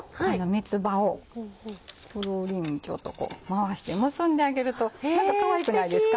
三つ葉をくるりんちょと回して結んであげるとかわいくないですか？